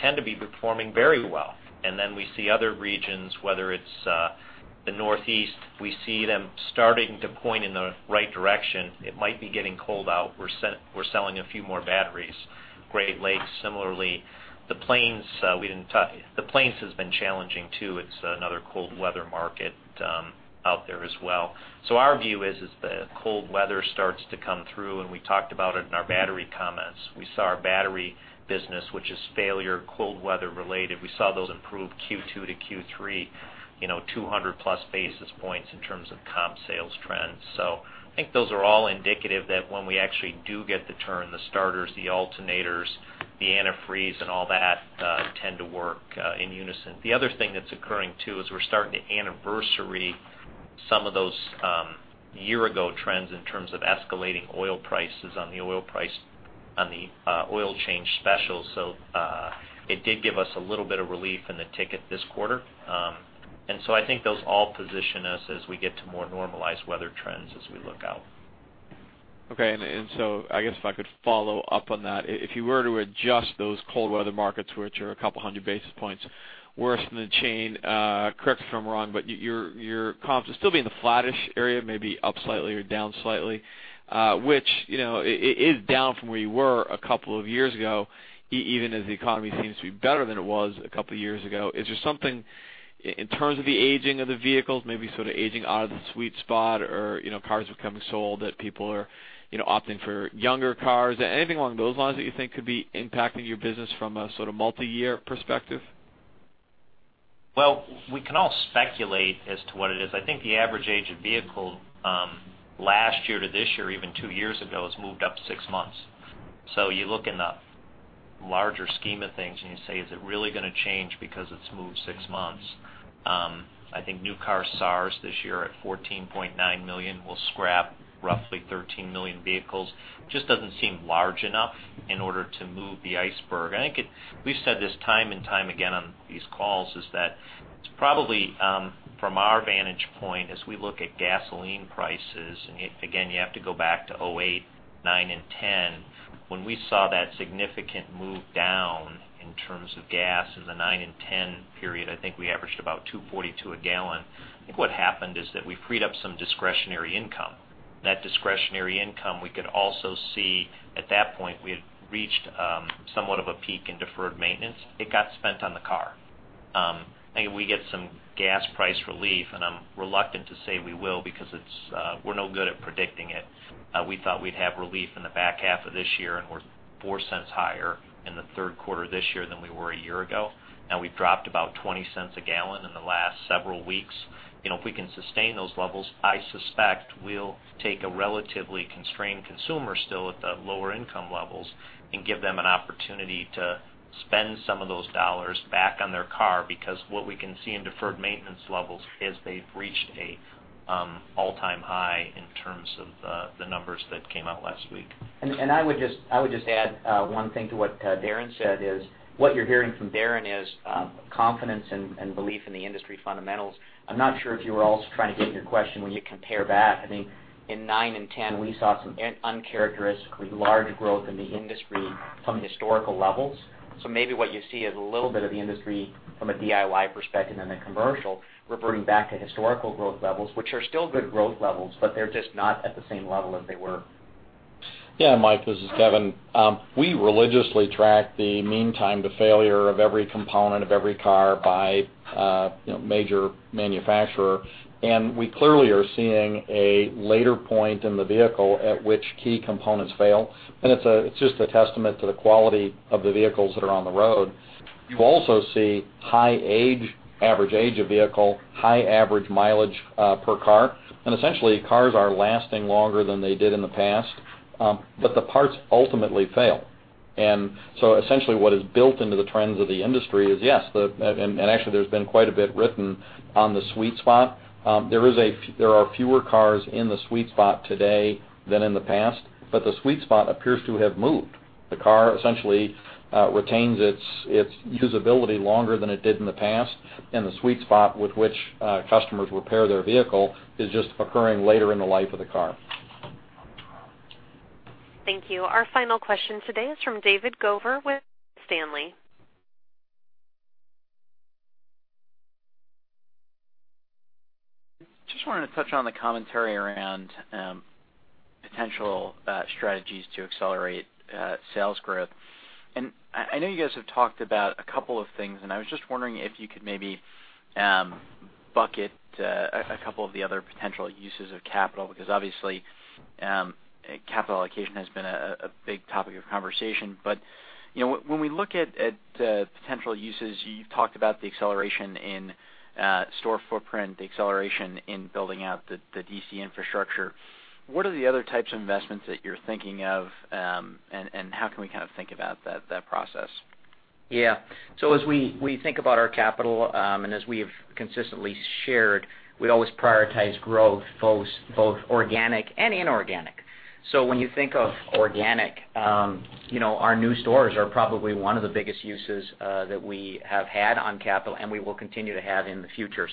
tend to be performing very well. Then we see other regions, whether it's the Northeast, we see them starting to point in the right direction. It might be getting cold out. We're selling a few more batteries. Great Lakes, similarly. The Plains has been challenging, too. It's another cold weather market out there as well. Our view is as the cold weather starts to come through, and we talked about it in our battery comments, we saw our battery business, which is failure, cold weather related, we saw those improve Q2 to Q3, 200-plus basis points in terms of comp sales trends. I think those are all indicative that when we actually do get the turn, the starters, the alternators, the antifreeze, and all that tend to work in unison. The other thing that's occurring, too, is we're starting to anniversary some of those year-ago trends in terms of escalating oil prices on the oil change specials. It did give us a little bit of relief in the ticket this quarter. I think those all position us as we get to more normalized weather trends as we look out. I guess if I could follow up on that, if you were to adjust those cold weather markets, which are a couple of hundred basis points worse than the chain, correct me if I'm wrong, your comps would still be in the flattish area, maybe up slightly or down slightly, which is down from where you were a couple of years ago, even as the economy seems to be better than it was a couple of years ago. Is there something in terms of the aging of the vehicles, maybe sort of aging out of the sweet spot or cars becoming sold that people are opting for younger cars? Anything along those lines that you think could be impacting your business from a sort of multi-year perspective? Well, we can all speculate as to what it is. I think the average age of vehicle last year to this year, even two years ago, has moved up six months. You look in the larger scheme of things and you say, is it really going to change because it's moved six months? I think new car sales this year at 14.9 million will scrap roughly 13 million vehicles. Just doesn't seem large enough in order to move the iceberg. I think we've said this time and time again on these calls, is that it's probably, from our vantage point as we look at gasoline prices, and again, you have to go back to '08, '09, and '10, when we saw that significant move down in terms of gas in the '09 and '10 period, I think we averaged about $2.42 a gallon. I think what happened is that we freed up some discretionary income. That discretionary income, we could also see at that point, we had reached somewhat of a peak in deferred maintenance. It got spent on the car. I think if we get some gas price relief, and I'm reluctant to say we will because we're no good at predicting it. We thought we'd have relief in the back half of this year, and we're $0.04 higher in Q3 this year than we were a year ago. Now we've dropped about $0.20 a gallon in the last several weeks. If we can sustain those levels, I suspect we'll take a relatively constrained consumer still at the lower income levels and give them an opportunity to spend some of those dollars back on their car, because what we can see in deferred maintenance levels is they've reached an all-time high in terms of the numbers that came out last week. I would just add one thing to what Darren said, is what you're hearing from Darren is confidence and belief in the industry fundamentals. I'm not sure if you were also trying to get at in your question when you compare back, I think in '09 and '10, we saw some uncharacteristically large growth in the industry from historical levels. Maybe what you see is a little bit of the industry from a DIY perspective in the commercial reverting back to historical growth levels, which are still good growth levels, but they're just not at the same level as they were. Yeah, Mike, this is Kevin. We religiously track the mean time to failure of every component of every car by major manufacturer, we clearly are seeing a later point in the vehicle at which key components fail. It's just a testament to the quality of the vehicles that are on the road. You also see high average age of vehicle, high average mileage per car, essentially, cars are lasting longer than they did in the past, but the parts ultimately fail. Essentially, what is built into the trends of the industry is, yes, actually, there's been quite a bit written on the sweet spot. There are fewer cars in the sweet spot today than in the past, but the sweet spot appears to have moved. The car essentially retains its usability longer than it did in the past, the sweet spot with which customers repair their vehicle is just occurring later in the life of the car. Thank you. Our final question today is from David Gower with Stanley. Just wanted to touch on the commentary around potential strategies to accelerate sales growth. I know you guys have talked about a couple of things, I was just wondering if you could maybe bucket a couple of the other potential uses of capital, because obviously, capital allocation has been a big topic of conversation. When we look at potential uses, you've talked about the acceleration in store footprint, the acceleration in building out the DC infrastructure. What are the other types of investments that you're thinking of, and how can we think about that process? As we think about our capital, and as we have consistently shared, we always prioritize growth, both organic and inorganic. When you think of organic, our new stores are probably one of the biggest uses that we have had on capital, and we will continue to have in the future.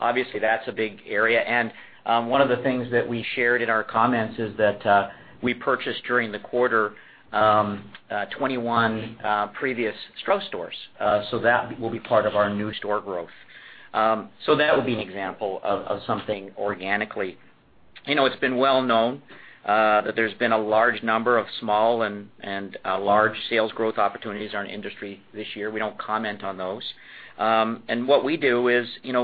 Obviously, that's a big area. One of the things that we shared in our comments is that we purchased, during the quarter, 21 previous Strauss stores. That will be part of our new store growth. That would be an example of something organically. It's been well known that there's been a large number of small and large sales growth opportunities in our industry this year. We don't comment on those. What we do is, as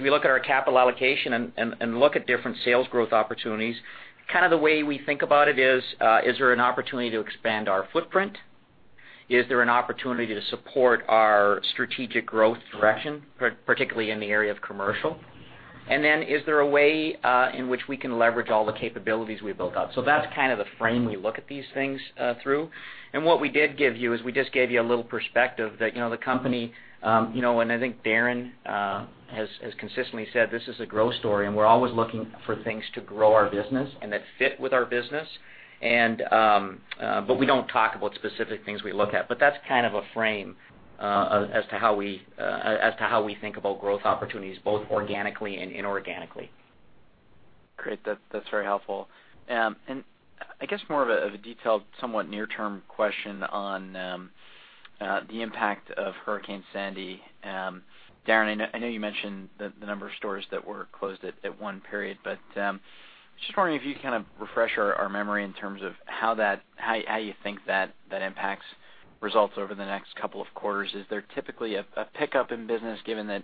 we look at our capital allocation and look at different sales growth opportunities, the way we think about it is: Is there an opportunity to expand our footprint? Is there an opportunity to support our strategic growth direction, particularly in the area of commercial? Is there a way in which we can leverage all the capabilities we built out? That's the frame we look at these things through. What we did give you is we just gave you a little perspective that the company, and I think Darren has consistently said, this is a growth story, and we're always looking for things to grow our business and that fit with our business. We don't talk about specific things we look at. That's a frame as to how we think about growth opportunities, both organically and inorganically. Great. That's very helpful. I guess more of a detailed, somewhat near-term question on the impact of Hurricane Sandy. Darren, I know you mentioned the number of stores that were closed at one period, but just wondering if you could refresh our memory in terms of how you think that impacts results over the next couple of quarters. Is there typically a pickup in business given that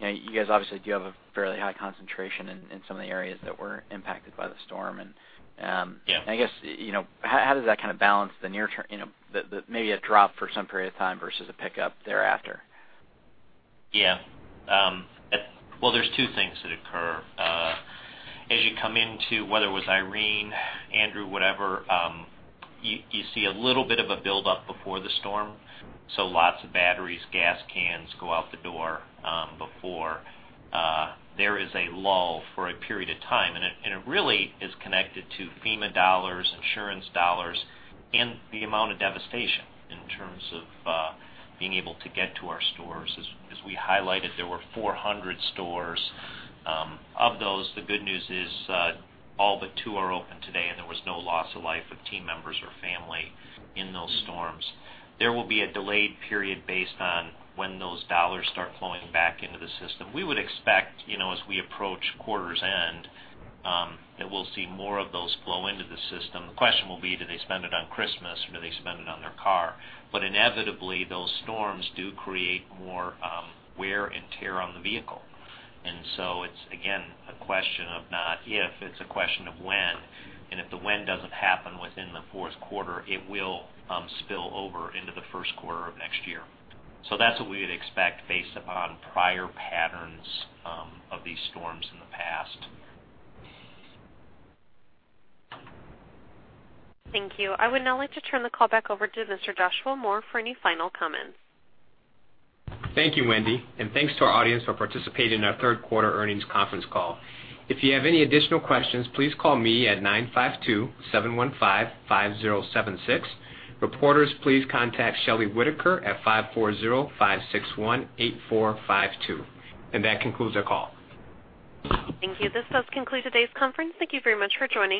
you guys obviously do have a fairly high concentration in some of the areas that were impacted by the storm and- Yeah. I guess, how does that kind of balance maybe a drop for some period of time versus a pickup thereafter? Well, there's two things that occur. As you come into, whether it was Irene, Andrew, whatever, you see a little bit of a build-up before the storm. Lots of batteries, gas cans go out the door before. There is a lull for a period of time, and it really is connected to FEMA dollars, insurance dollars, and the amount of devastation in terms of being able to get to our stores. As we highlighted, there were 400 stores. Of those, the good news is all but two are open today, and there was no loss of life of team members or family in those storms. There will be a delayed period based on when those dollars start flowing back into the system. We would expect, as we approach quarter's end, that we'll see more of those flow into the system. The question will be, do they spend it on Christmas or do they spend it on their car? Inevitably, those storms do create more wear and tear on the vehicle. It's, again, a question of not if, it's a question of when. If the when doesn't happen within the fourth quarter, it will spill over into the first quarter of next year. That's what we would expect based upon prior patterns of these storms in the past. Thank you. I would now like to turn the call back over to Mr. Joshua Moore for any final comments. Thank you, Wendy, and thanks to our audience for participating in our third quarter earnings conference call. If you have any additional questions, please call me at 952-715-5076. Reporters, please contact Shelley Whitaker at 540-561-8452. That concludes our call. Thank you. This does conclude today's conference. Thank you very much for joining.